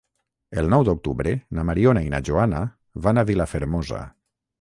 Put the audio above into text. El nou d'octubre na Mariona i na Joana van a Vilafermosa.